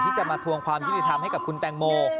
ที่จะมาทวงความยุติธรรมให้กับคุณแตงโม